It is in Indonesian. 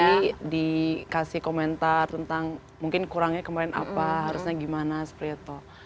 jadi dikasih komentar tentang mungkin kurangnya kemarin apa harusnya gimana seperti itu